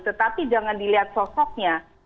tetapi jangan dilihat sosoknya